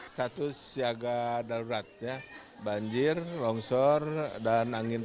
status siaga daruratnya banjir rongsor dan kebanyakan hal